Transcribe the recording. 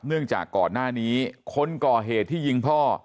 เนื่องจากก่อนหน้านี้คนก่อเหตุที่ยิงพ่อ